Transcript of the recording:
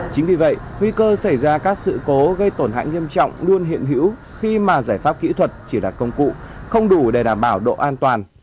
chính vì vậy nguy cơ xảy ra các sự cố gây tổn hại nghiêm trọng luôn hiện hữu khi mà giải pháp kỹ thuật chỉ là công cụ không đủ để đảm bảo độ an toàn